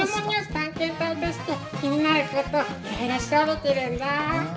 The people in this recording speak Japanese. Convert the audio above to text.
探検隊として気になることいろいろ調べてるんだ。